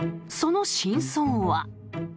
その真相は。